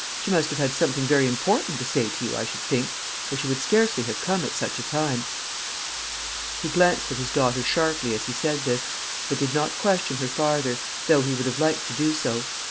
She must have had something very important to say to you, I should think, or she would scarcely have come at such a time." He glanced at his daughter sharply as he said this, but did not question her farther, though he would have liked to do so.